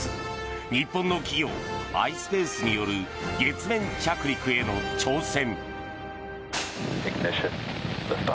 日本の企業ｉｓｐａｃｅによる月面着陸への挑戦。